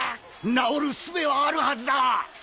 治るすべはあるはずだ。